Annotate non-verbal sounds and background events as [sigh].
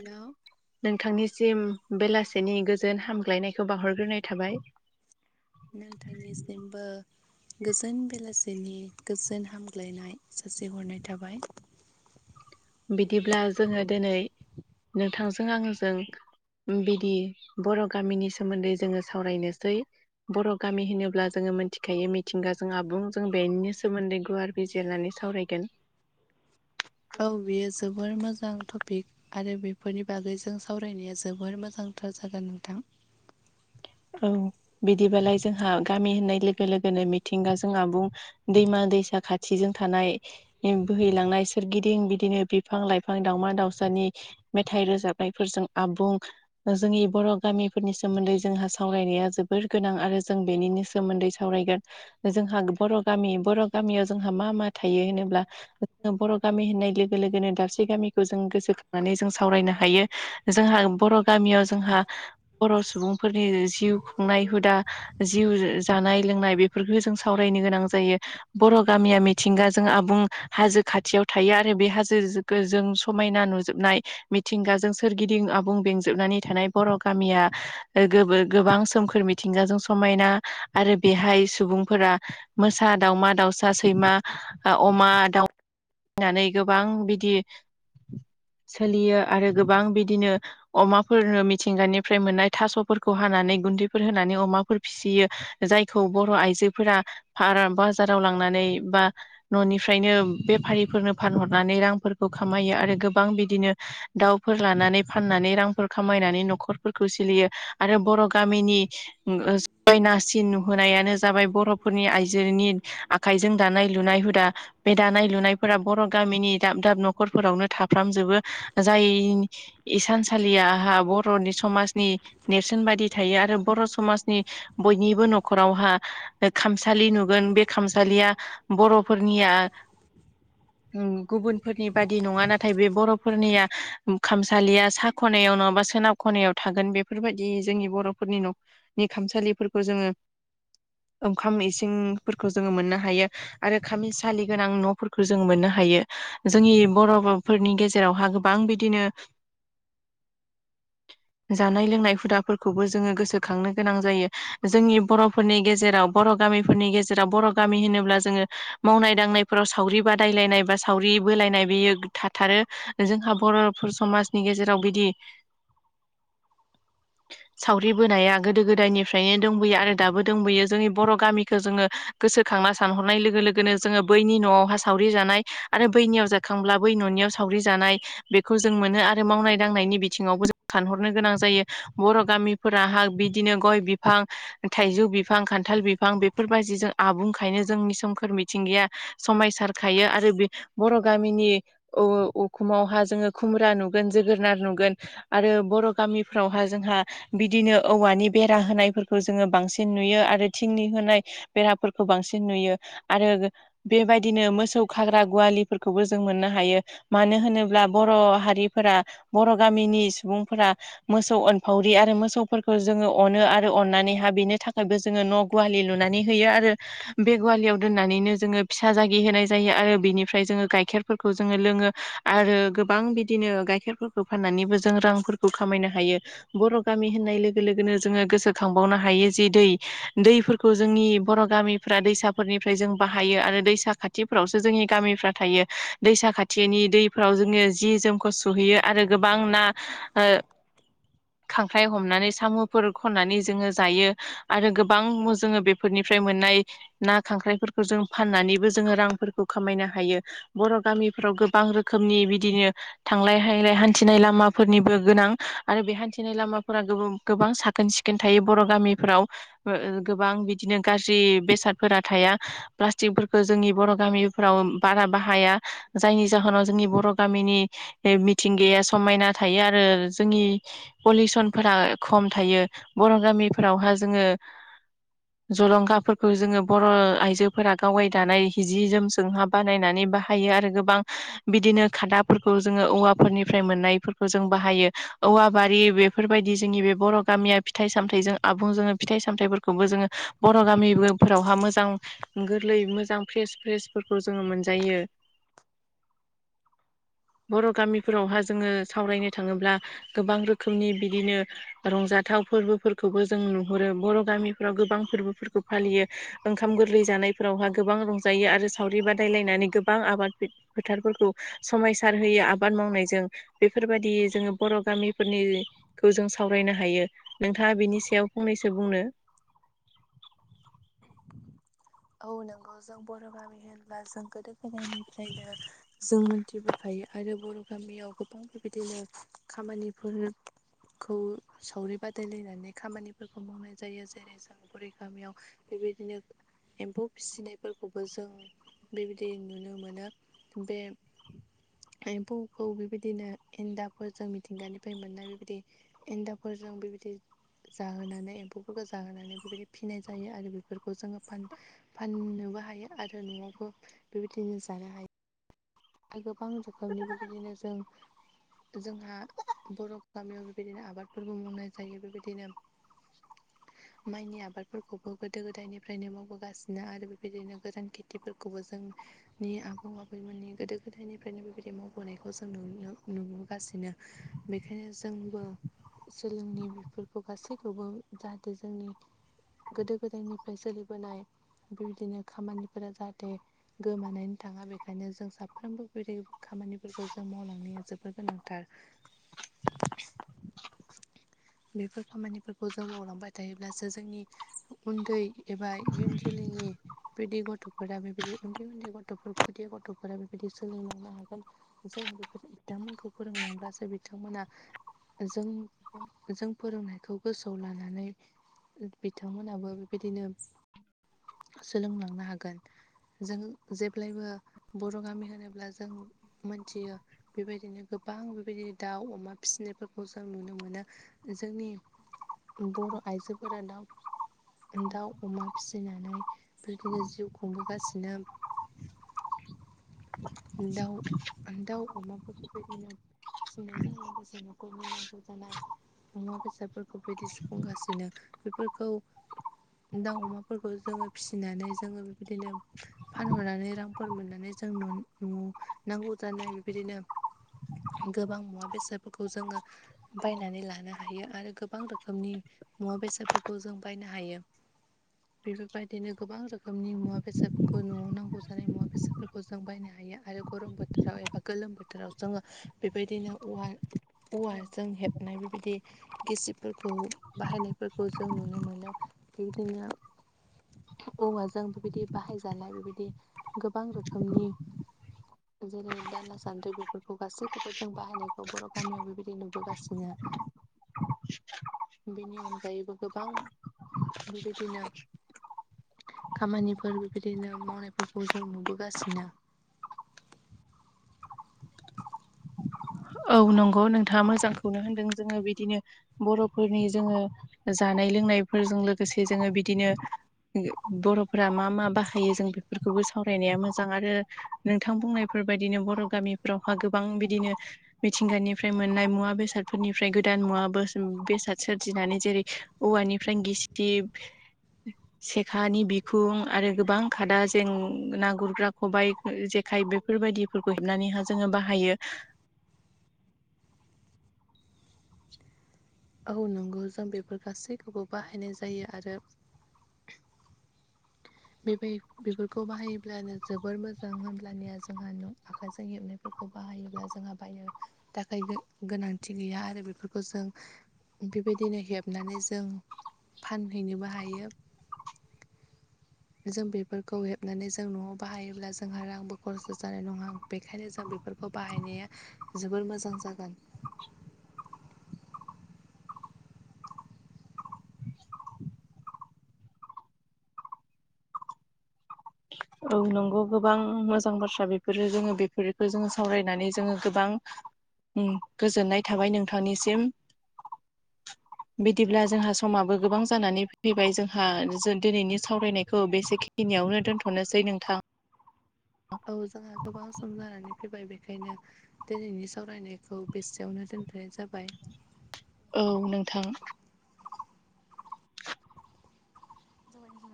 हेल' नोंथांनिसिम बेलासेनि गोजोन हामग्लायनायखौ बाहहरग्रोनाय थाबाय। नोंथांनिसिमबो। गोजोन बेलासिनि गोजोन हामग्लायनाय सासे हरनाय थाबाय। बिदिब्ला जोङो दिनै नोंथांजों आंजों बिदि बर' गामिनि सोमोन्दै जोङो सावरायनोसै। बर' गामि होनोब्ला जोङो मिथिखायो मिथिंगाजों आबुं जों बेनो सोमोन्दै गुवार बिजिनानै सावरायगोन। औ बेयो जोबोर मोजां टपिक। आरो बेफोरनि बागै ज सावरायनाया जोबोर मोजांथार जागोन नोंथां। औ बिदिबालाय जोंहा गामि होननाय लोगो लोगोनो मिथिंगा जों आबुं दैमा दैसा खाथिजों थानाय बोहैलांनाय सोरगिदिं बिदिनो बिफां लाइफां दावउमा दावसानि मेथाइ रोजाबनायफोरजों आबुं जोंनि बर' गामिफोरनि सोमोन्दै जों सावरायनाया जोबोर गोनां आरो जों बेनिनो सोमोन्दै सावरायगोन। जोंहा बर' गामि बर' गामियाव जोंहा मा मा थायो होनोब्ला बर' गामि होननाय लोगो लोगोनो दाबसे गामिखौ जों गोसोखांनानै जों सावरायनो हायो जोंहा बर' गामियाव जोंहा बर' सुबुंफोरनि जिउ खुंनाय हुदा जि जानाय लोंनाय बेफोरफोरखौ जों सावरायनो गोनां जायो। बर' गामिया मिथिंगाजों आबुं हाजो खाथियाव थायो आरो बे हाजो जों समायना नुजोबनाय। मिथिंगाजों सोरगिदिं आबुं बेंजोबनानै थानाय बर' गामिया गोबो गोबां सोमखोर मिथिंगाजों समायना आरो बेहाय सुबुंफोरा मोसा दाावमा दाउसा सैमा अमा दाउ फिनानै गोबां बिदि [inaudible] सोलियो आरो गोबां बिदिनो अमाफोरनो मिथिंगानिफ्राय मोननाय थास'फोरखौ ख हानानै गुन्दैफोर होनानै अमाफोर फिसियो जायखौ बर' आइजोफोरा फार बाजाराव लांनानै बा न'निफ्रायनो बेफारिफोरनो फानहरनानै रांफोरखौ खामायो आरो गोबां बिदिनो दाउफोर लानानै फाननानै रांफोर खामायनानै न'खरफोरखौ सोलियो आरो बर' गामिनि ओ जायनासिन नुहोनायानो जाबाय बर'फोरनि आइजोनि आखायजों दानाय लुनाय हुदा बे दानाय लुनायफोरा बर' गामिनि दाब- दाब न'खरफोरावनो थाफ्रामजोबो। जाय इसालियाहा बर'नि समाजनि नेरसोन बायदि थायो आरो बर' समाजनि बयनिबो न'खरावहा खामसालि नुगोन बे खामसालिया बर'फोरनिया उम गुबुनफोरनि बादि नङा नाथाय बे बर'फोरनिया खामसालिया सा ख'नायाव नङाबा सोनाब खनायाव थागोन बे बेफोरबायदि जोंनि बर'फोरनि न'नि खामसालिफोरखौ जोङो ओंखाम इसिंफोरखौ जोङो मोननो हायो। आरो खामिसालि गोनां न'फोरखौ जों मोननो हायो जोंनि बर' फोरनि गेजेरावहा गोबां बिदिनो जानाय- लोंनाय हुदाफोरखौबो जोङो गोसोखांनो गोनां जायो। जोंनि बर'फोरनि गेजेराव बर' गामिफोरनि गेजेराव बर' गामि होनोब्ला जोङो मावनाय दांनायफोराव सावरि बादायलायनाय बा सावरि बोलायनाय बेयो थाथारो। जोंहा बर'र फोर समाजनि गेजेराव बिदि सावग्रि बोनाया गोदो गोदायनिफ्रायनो दंबोयो आरो दाबो दंबोयो जोंनि बर' गामिखौ जोङो गोसोखांना सानहरनाय लोगो लोगोनो जोङो बैनि न'आवहा सावरि जानाय आरो बैनियाव जाखांब्ला -' बै न'नियाव सावरि जानाय बेखौ जों मोनो आरो मावनाय दांनायनि बिथिङावबो जों सानहरनो गोनां जायो। बर' गामिफोरा हा बिदिनो गय बिफां थाइजौ बिफां खान्थाल बिफां बेफोरबाजि जों आबुंखायनो जोंनि सोमखोर मिथिंगाया समायसारखायो आरो बे बर' गामिनि औ -औ अखुमावहा जोङो खुमब्रा नुगोन जोगोरोनार नुगोन आरो बर' गामिफ्रावहा जोंहा बिदिनो औवानि बेरा होनायफोरखौ जोङो बांसिन नुयो आरो थिंनि होनाय बेराफोरखौ बांसिन नुयो। आरो बेबायदिनो मोसौ खाग्रा गुवालिफोरखौबो जों मोननो हायो मानो होनो ब्ला बर' हारिफोरा बर' गामिनि सुबुंफोरा मोसौ अनफावरि आरो मोसौफोरखौ जोङो अनो। आरो अननानैहा बेनि थाखायबो जोङो न' गुवालि लुनानै होयो आरो बे गवालियाव दोननानैनो जोडो फिसा जागि होनाय जायो आरो बिनिफ्राय जोङो गाइखेरफोरखौ जोङो लोङो आरो गोबां बिदिनो गाइखेरफोर खौफाननानैबो जों रांफोरखौ खामायनो हायो। बर' गामि होननाय लोगो लोगोनो जोङो गोसोखांबावनो हायो जि दै दैफोरखौ जोंनि बर' गामि फ्रा दैसाफोरनिफ्राय जों बाहायो आरो दैसा खाथिफोरावसो जोंनि गामिफ्रा थायो। दैसा खाथिनि दैफ्राव जोङो जि जोमखौ सुहैयो आरो गोबां ना ओ खांख्राइ हमनानै साम'फोर खननानै जोङो जायो। आरो गोबां जोङो बे फोरनिफ्राय मोननाय ना खांख्राइफोरखौ जों फाननानैबो जोङो रांफोरखौ खामायनो हायो। बर' गामि फ्राव गोबां रोखोमनि बिदिनो थांलाय हायलाय हान्थिनाय लामाफोरनिबो गोनां आरो बे हान्थिनाय लामाफोरा गोबा गोबां साखोन सिखोन थायो बर' गामिफ्राव। ओ गोबां बिदिनो गाज्रि बेसादफोरा थाया। प्लास्टिकफोरखौ जोंनि बर' गामिफ्राव बारा बाहाया जायनि जाहोनाव जोंनि बर' गामिनि बे मिथिंगाया समायना थायो आरो जोंनि पलिसनफोरा खम थायो। बर' गामिफोरावहा जोङो जलंगाफोरखौ जोङो बर' आइजोफोरा गावाय दानाय जि जोमसोंहा बानायनानै बाहायो आरो गोबां बिदिनो खादाफोरखौ जोङो औवा फोरनिफ्राय मोननायफोरखौ जों जों बाहायो औवा बारि बेफोरबायदि जोंनि बे बर' गामिया फिथाइ सामथजों आबुं जोङो फिथाइ सामथाइफोरखौबो जोङो बर' गामिबो फोरावहा मोजां गोरलै मोजां फ्रेस फ्रेसफोरखौ जोङो मोनजायो। [inaudible] बर' गामिफोरावहा जोङो सावरायनोथ थाङोब्ला गोबां रोखोमनि बिदिनो रंजाथाव फोरबोफोरखौबो जों नुहुरो बर' गामिफ्राव गोबां फोरबोफोरखौ फालियो ओंखाम गोरलै जानायफोरावहा गोबां रंजायो आरो सावरि बादायलायनानै गोबां आबाद फोथारफोरखौ समायसार होयो आबाद मावनायजों बेफोरबायदि जोङो बर' गामिफोरनिखौ जों सावरायनो हायो नोंथाङा बिनि सायाव फंनैसो बुंनो औ नोंगौ जों बर' गामि होनब्ला जों गोदो गोदायनिफ्रायनो जों मोनथिबोखायो आरो बरफ गामियाव गोबां बेबायदिनो खामानिफोर खौ सावरि बादायलायनानै खामानिफोरखौ मावनाय जायो जेरै ज जों बुरै गामियाव बेबायदिनो एम्फौ फिसिनायफोरखौबो जों बेबायदि नुनो मोनो बे एम्फौखौ बेबायदिनो एन्दाफोरजों मिथिंगानिफाय मोननाय बेबायदि एन्दाबफोरजों बेबायदि जाहोनानै एम्फौफोरखौ जाहोनानै बेबायदि फिनाय जायो आरो बेफोरखौ जोङो फान-फाननोबो हायो आरो न'आवबो बेबायदिनो जानो हाय आर गोबा जोखोमनिबो बिदिनो जों जोंहा बर' गामियाव बेबायदिनो आबादफोरबो मावनाय जायो बेबायदिनो [inaudible] माइनि आबादफोरखौबो गोदो गोदायनिफ्रायनो मावबोगासिनो आरो बेबायदिनो गोदान खेथिफोरखौबो जों नि आबौ आब बै मोननि गोदो गोदायनिफ्रायनो बेबायदि मावबोनायखौ जों नुनो नुबोगासिनो। बेखायनो जोंबो सोलोंनि बेफोरखौ गासैखौबो जाहाथे जोंनि गोदो गोदायनिफाय सोलिबोनाय बेबायदिनो खामानिफोरा जाहाथे गोमानानै थाङा बे खायनो जों साफ्रोमबो बेदि खामानिफोरखौ जों मावलांनाया जोबोर गोनांथार। बेफोर खामानिफोरखौ जों मावलांबाय थायोब्लासो जोंनि उन्दै एबा इयुन जोलैनि बिदि गथ'फोरा बेबायदि उन्दै उन्दै गथ'फोरख खुदिया गथ'फोरा बेबायदि सोलोंलांनो हागोन जों बेफोर बिथांमोनखौ फोरोंलांब्लासो बिथांमोना जों जों फोरोंनायखौ गोसोआव लानानै बिथांमोनहाबो बेबायदिनो सोलोंलांनो हागोन। जों जेफ ब्लायबो बर' गामि होनोब्ला जों मोनथियो बेबायदिनो गोबां बेबायदि दाउ अमा फिसिनायफोरखौ जों नुनो मोनो जोंनि बर' आइजोफोरा दाव दाउ अमा फिसिनानै बिदिनो जिउ खुंबोगासिनो। दाउ दाउ अमाफोरखौ बेबादिनो फिसिनायजों लोगोसे न'खरनि नांगौ जानाय मुवा बेसादफोरखौ बिदि सुफुंगासिनो बेफोरखौ दाउ अमाफोरखौ जोङो फिसिनानै जोङो बेबायदिनो फानहरनान नै रांफोर मोननानै जों न'न न' नांगौ जानाय बेबायदिनो गोबां मुवा बेसादफोरखौ जोङो बायनानै लानो हायो आरो गोबां रोख खोमनि मुवा बेसादफोरखौ जों बायनो हायो। बेफोरबायदिनो गोबां रोखोमनि मुवा बेसादफोरखौ न'आव नांगौ ज जानाय मुवा बेसादफोरखौ जों बायनो हायो आरो गरम बोथोराव एबा गोलोम बोथोराव जोङो बेबायदिनो औवा-औवाजों हेबनाय बेबायदि गिसिबफोरखौ बाहायनायफोरखौ जों नुनो मोनो बेबायदिनो औवाजों बेबायदि बाहायजानाय बेबायदि गोबां रोखोमनि जेरै दाला सान्द्रि बेफोरखौ गासैखौबो जों बाहायनायखौ बर' गामियाव बेबायदि नुबोगासिनो। [unintelligible] बेनि अनगायैबो गोबां बेबायदिनो। खामानिफोर बेबायदिनो मावनायफोरखौ जों नुबोगासिनो। औ नंगौ नोंथाङा। मोजांखौनो होनदों जोङो बिदिनो। बर'फोरनि जोङो जानाय लोंनायफोरजों लोगोसे जोङो बिदिनो। बर'फोरा मा मा बाहायो जों बेफोरखौबो सावरायनाया मोजां आरो नोंथां बुंनायफोर बायदिनो बर' गामिफोराव गोबां बिदिनो। मिथिंगानिफ्राय मोननाय मुवा बेसादफोरनिफ्राय गोदान मुवा बेसाद सोरजिनानै जेरै औवानिफ्राय गिसिब। सेखानि बिखुं आरो गोबां खादा जें ना गुरग्रा खबायाइ जेखाय बे बेफोरबायदिफोरखौ हेबनानैहा जोङो बाहायो। औ नंगौ जों बेफोर गासैखौबो बाहायनाय जायो। आरो बेबाय बेफोर खौ बाहायोब्लानो जोबोर मोजां होमबनिया जोंहा न आखाइजों हेबनायफोरखौ बाहायोब्ला जोंहा बाहनो। थाखाय गोनांथि गैया आरो बेफोरखौ जों। बेबायदिनो हेबनानै जों फानहैनोबो हायो। जों बेफोरखौ हेबनानै जों न'आव बाहायोब्ला जोंहा रांबो खरसा' जानाय नङा। बेखायनो जों बेफोरखौ बाहायनाया जोबोर मोजां जागोन। औ नंगौ गोबां मोजां बाथ्रा बेफोरो जोङो बेफोरफोरखौ जोङो सावरायनानै जोङो गोबां। गोजोननाय थाबाय नोंथांनिसिम। [unintelligible] बिदिब्ला जोंहा समाबो गोबां जानानै फैबाय जोंहा दिनैनि सावरायनायखौ बेसेखि नियावनो दोनथ'नोसै नोंथां। औ जोंहा गोबां सम जानानै फैबाय बेखायनो। दिनैनि सावरायनायखौ बेसेयावनो दोन्थ'नाय जाबाय। औ नोंथां।